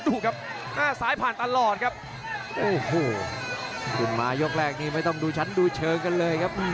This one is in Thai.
น่าซ้ายผ่านตลอดครับขึ้นมายกแรกนี้ไม่ต้องดูฉันเดูเชิงกันเลยครับ